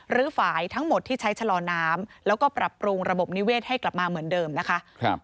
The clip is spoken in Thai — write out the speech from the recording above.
หรือฝ่ายทั้งหมดที่ใช้ชะลอน้ำแล้วก็ปรับปรุงระบบนิเวศให้กลับมาเหมือนเดิมนะคะ